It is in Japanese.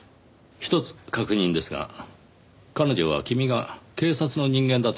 ひとつ確認ですが彼女は君が警察の人間だと知っているのですか？